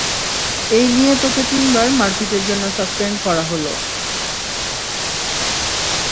এই নিয়ে তোকে তিনবার মারপিটের জন্য সাসপেন্ড করা হলো।